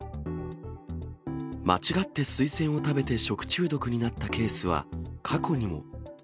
間違ってスイセンを食べて食中毒になったケースは過去にも。